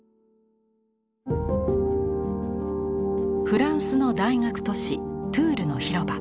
フランスの大学都市トゥールの広場。